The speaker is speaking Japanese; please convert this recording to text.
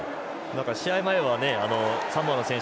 試合前は、サモアの選手